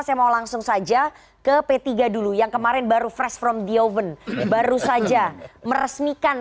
saya mau langsung saja ke p tiga dulu yang kemarin baru fresh from the oven baru saja meresmikan